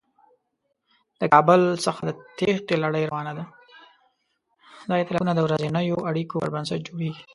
دا ایتلافونه د ورځنیو اړیکو پر بنسټ جوړېږي.